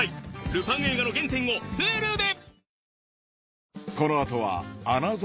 『ルパン』映画の原点をＨｕｌｕで！